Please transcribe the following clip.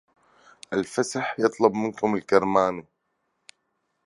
الفسح يطلب منكم الكرماني